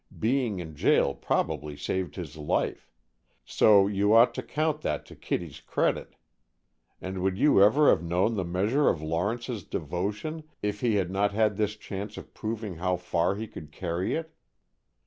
Being in jail probably saved his life, so you ought to count that to Kittie's credit. And would you ever have known the measure of Lawrence's devotion if he had not had this chance of proving how far he could carry it?